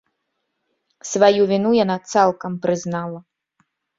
Сваю віну яна цалкам прызнала.